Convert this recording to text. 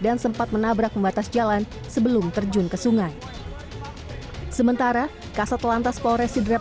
sempat menabrak pembatas jalan sebelum terjun ke sungai sementara kasat lantas polres sidrap